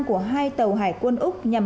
của hai tàu hải quân úc nhằm